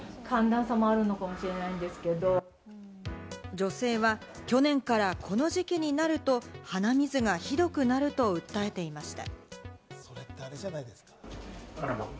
女性は去年からこの時期になると鼻水がひどくなると訴えていました。